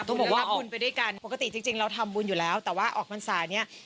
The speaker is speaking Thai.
นมวฒนาบุญก็ลับบุญไปด้วยกันปกติจริงเราทำบุญอยู่แล้วแต่ว่าออกกวันศาลเนี่ย